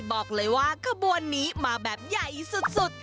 บอกเลยว่าขบวนนี้มาแบบใหญ่สุด